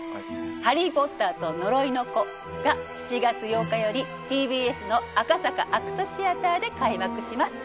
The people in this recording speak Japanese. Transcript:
「ハリー・ポッターと呪いの子」が７月８日よりＴＢＳの赤坂ＡＣＴシアターで開幕します